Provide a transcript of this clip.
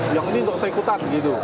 yang ini nggak usah ikutan gitu